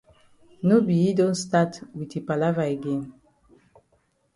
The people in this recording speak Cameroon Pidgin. No be yi don stat wit yi palava again.